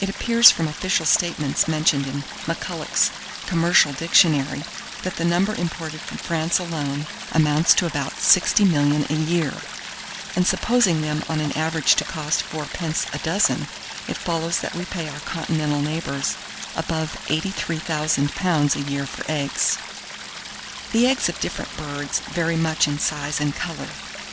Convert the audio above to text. It appears from official statements mentioned in McCulloch's "Commercial Dictionary," that the number imported from France alone amounts to about 60,000,000 a year; and supposing them on an average to cost fourpence a dozen, it follows that we pay our continental neighbours above £83,000 a year for eggs. 1626. The eggs of different birds vary much in size and colour.